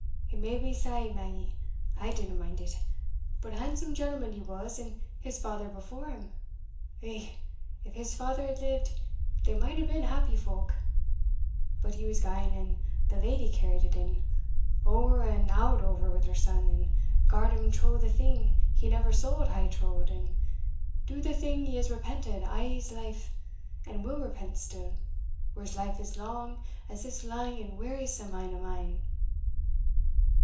"It may be sae, Magge I dinna mind it but a handsome gentleman he was, and his father before him. Eh! if his father had lived, they might hae been happy folk! But he was gane, and the lady carried it in ower and out ower wi' her son, and garr'd him trow the thing he never suld hae trowed, and do the thing he has repented a' his life, and will repent still, were his life as lang as this lang and wearisome ane o' mine."